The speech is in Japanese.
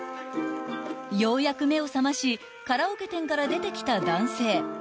［ようやく目を覚ましカラオケ店から出てきた男性］